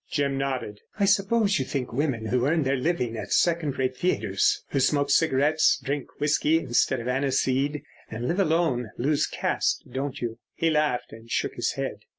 Jim nodded. "I suppose you think women who earn their living at second rate theatres, who smoke cigarettes, drink whisky instead of aniseed, and live alone, lose caste, don't you?" He laughed and shook his head.